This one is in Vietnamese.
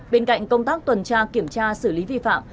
bên cạnh công tác tuần tra kiểm tra xử lý vi phạm